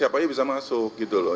siapa saja bisa masuk gitu loh